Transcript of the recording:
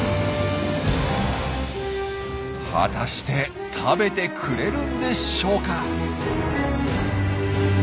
果たして食べてくれるんでしょうか？